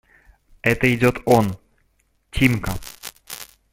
Это идет он… Тимка!